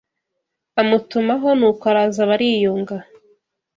Amutumaho nuko araza bariyunga